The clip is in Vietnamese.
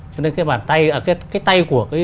cho nên cái tay của